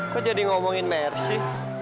kok jadi ngomongin mercy